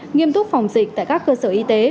nghiêm túc phòng dịch tại các cơ sở y tế